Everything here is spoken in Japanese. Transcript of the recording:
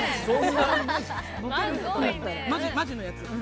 マジのやつ。